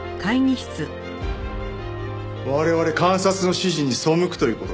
我々監察の指示に背くという事か？